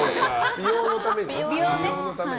美容のためにね。